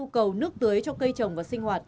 trước tưới cho cây trồng và sinh hoạt